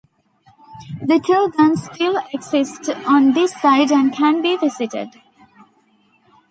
The two guns still exist on this site and can be visited.